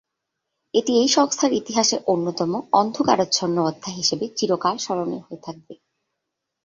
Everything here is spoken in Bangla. এটি এই সংস্থার ইতিহাসের অন্যতম, অন্ধকারচ্ছন্ন অধ্যায় হিসাবে চিরকাল স্মরণীয় হয়ে থাকবে।